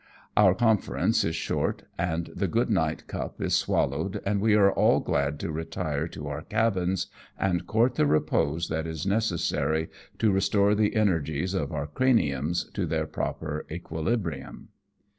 Our conference is short, the good night cup is swallowed, and we are all glad to retire to our cabins and court the repose that is necessary to restore the energies of our craniums to their proper equi librium.